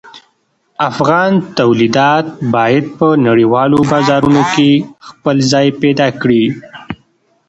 افغان تولیدات باید په نړیوالو بازارونو کې خپل ځای پیدا کړي.